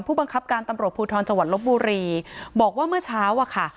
ผู้บังคับการตำรวจภูทรจังหวัดลบบุรีบอกว่าเมื่อเช้าอะค่ะ